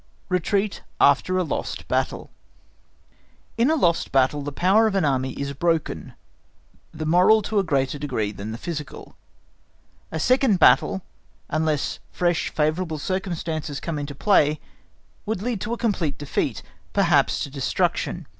Retreat After a Lost Battle In a lost battle the power of an Army is broken, the moral to a greater degree than the physical. A second battle unless fresh favourable circumstances come into play, would lead to a complete defeat, perhaps, to destruction.